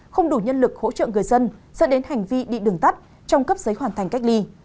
không đủ nhân lực hỗ trợ người dân dẫn đến hành vi bị đường tắt trong cấp giấy hoàn thành cách ly